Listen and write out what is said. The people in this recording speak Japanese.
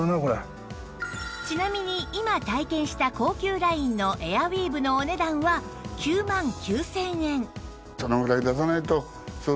ちなみに今体験した高級ラインのエアウィーヴのお値段は９万９０００円